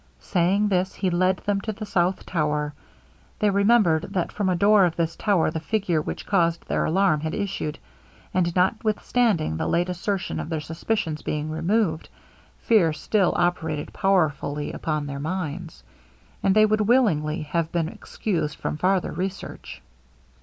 Saying this, he led them to the south tower. They remembered, that from a door of this tower the figure which caused their alarm had issued; and notwithstanding the late assertion of their suspicions being removed, fear still operated powerfully upon their minds, and they would willingly have been excused from farther research.